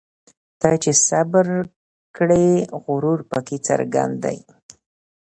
ته چي صبر کړې غرور پکښي څرګند دی